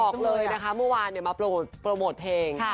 บอกเลยนะคะเมื่อวานมาโปรโมทเพลง